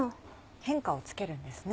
変化をつけるんですね。